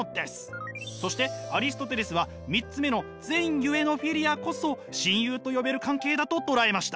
そしてアリストテレスは３つ目の善ゆえのフィリアこそ親友と呼べる関係だと捉えました。